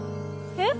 えっ？